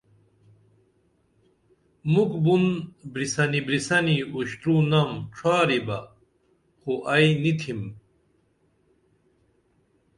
مُکھ بُن بریسنی بریسنی اُشترونم ڇھاریبہ خو ائی نی تِھم